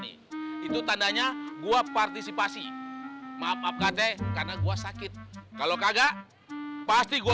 nih itu tandanya gua partisipasi maaf maaf kate karena gua sakit kalau kagak pasti gua